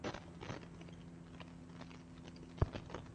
详情请参见连通空间。